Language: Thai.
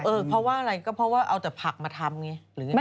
เออเพราะว่าอะไรก็เพราะว่าเอาแต่ผักมาทำ